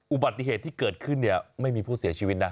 อุบัติเหตุที่เกิดขึ้นเนี่ยไม่มีผู้เสียชีวิตนะ